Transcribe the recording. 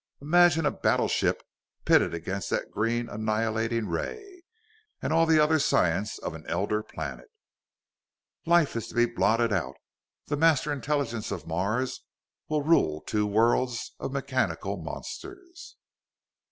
Imagine a battleship pitted against that green annihilating ray, and all the other science of an elder planet! "Life is to be blotted out! The Master Intelligence of Mars will rule two worlds of mechanical monsters!"